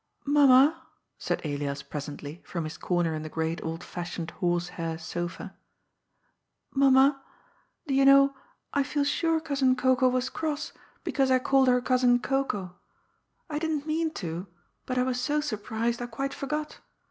*^ Mamma/' said Elias presently, from his comer in the great old fashioned horse hair sofa; '^ Mamma, do yon know I feel snre Cousin Cocoa was cross because I called her Cousin Cocoa. I didn't mean to, but I was so surprised, I quite forgot.